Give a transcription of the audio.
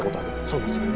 そうですよね。